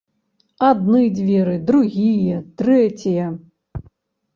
Адны дзверы, другія, трэція.